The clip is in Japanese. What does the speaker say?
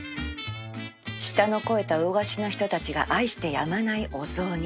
舌の肥えた魚河岸の人たちが愛してやまないお雑煮